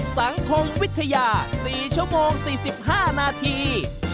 สังคมวิทยา๔ชั่วโมง๔๕นาที